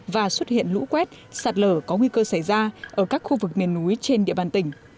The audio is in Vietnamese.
và xuất hiện lũ quét sạt lở có nguy cơ xảy ra ở các khu vực miền núi trên địa bàn tỉnh